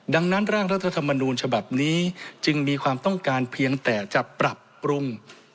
ดังนั้นร่างรัฐธรรมนูญฉบับนี้จึงมีความต้องการเพียงแต่จะปรับปรุง